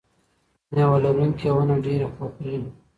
ميوه لرونکې ونه ډبرې خوري.